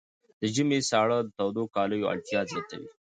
د ژمي ساړه د تودو کالیو اړتیا زیاتوي.